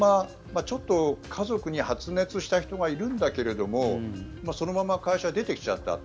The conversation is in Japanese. ちょっと家族に発熱した人がいるんだけれどもそのまま会社に出てきちゃったと。